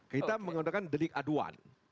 kita menggunakan delik aduan